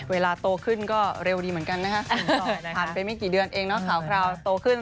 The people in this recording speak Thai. เวลาโตขึ้นก็เร็วดีเหมือนกันนะคะผ่านไปไม่กี่เดือนเองเนาะข่าวคราวโตขึ้น